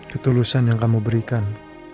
ketulusan yang kamu berikan